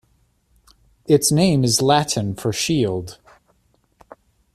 Its name is Latin for shield.